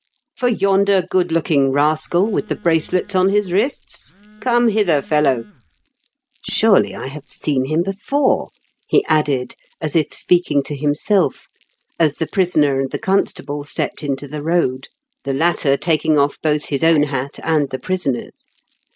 " For yonder good look ing rascal with the bracelets on his wrists ? THE KING'S PBES8. 291 Come hither, fellow 1 Surely I have seen him before," he added, as if speaking to himself, as the prisoner and the constable stepped into the road, the latter taking off both his own hat and the prisoner's.